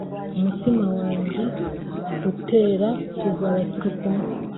umutima wanjye utera tuzaba turi kumwe